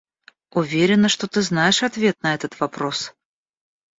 Уверена, что ты знаешь ответ на этот вопрос.